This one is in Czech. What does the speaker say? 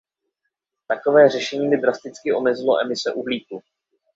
Takové řešení by drasticky omezilo emise uhlíku.